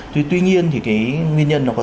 tuy nhiên thì cái nguyên nhân